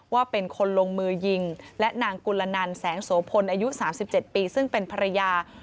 ว่าเป็นคนลงมือยิงและนางกุลนันแสงโสพลอายุ๓๗ปีซึ่งเป็นภรรยา